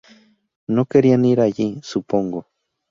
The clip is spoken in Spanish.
No querían ir allí, supongo.